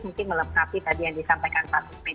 mungkin melepasi tadi yang disampaikan pak bu